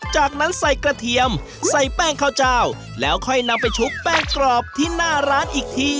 จากนั้นใส่กระเทียมใส่แป้งข้าวเจ้าแล้วค่อยนำไปชุบแป้งกรอบที่หน้าร้านอีกที